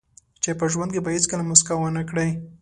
چې په ژوند کې به هیڅکله موسکا ونه کړئ.